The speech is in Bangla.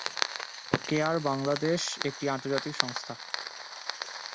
কেয়ার বাংলাদেশ একটি আন্তর্জাতিক সংস্থা।